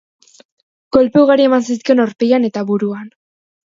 Kolpe ugari eman zizkion aurpegian eta buruan.